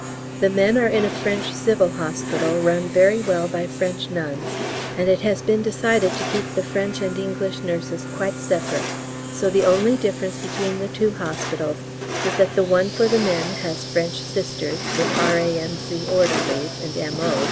The men are in a French Civil Hospital run very well by French nuns, and it has been decided to keep the French and English nurses quite separate, so the only difference between the two hospitals is that the one for the men has French Sisters, with R.A.M.C. orderlies and M.O.'